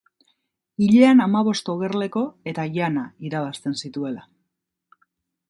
Hilean hamabost ogerleko eta jana irabazten zituela.